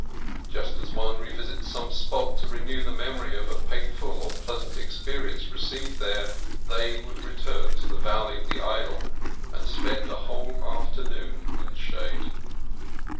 Just as one revisits some spot to renew the memory of a painful or pleasant experience received there, they would return to the valley of the idol and spend a whole afternoon in its shade.